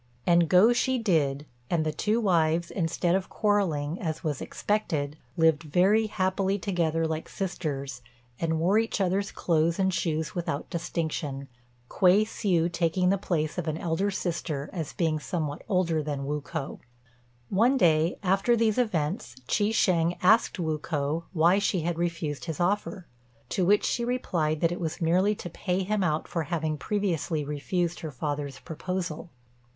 And go she did; and the two wives, instead of quarrelling, as was expected, lived very happily together like sisters, and wore each other's clothes and shoes without distinction, Kuei hsiu taking the place of an elder sister as being somewhat older than Wu k'o. One day, after these events, Chi shêng asked Wu k'o why she had refused his offer; to which she replied that it was merely to pay him out for having previously refused her father's proposal.